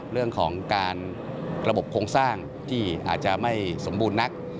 เรื่องของการระบบโครงสร้างที่อาจจะไม่สมบูรณ์นัก